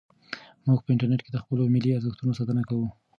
موږ په انټرنیټ کې د خپلو ملي ارزښتونو ساتنه کوو.